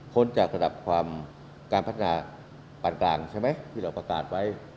ค้นจากระดับการพัฒนาปันกลางที่เราประกาศไว้